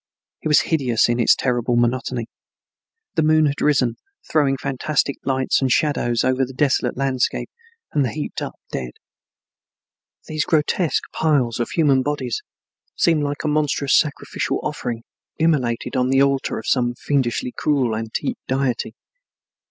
It was hideous in its terrible monotony. The moon had risen, throwing fantastic lights and shadows over the desolate landscape and the heaped up dead. These grotesque piles of human bodies seemed like a monstrous sacrificial offering immolated on the altar of some fiendishly cruel, antique deity.